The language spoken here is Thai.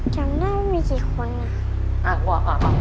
จำได้ว่ามีกี่คนค่ะ